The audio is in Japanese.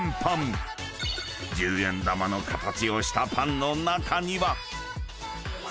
［十円玉の形をしたパンの中には］